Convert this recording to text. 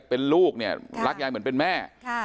เป็นลูกเนี่ยรักยายเหมือนเป็นแม่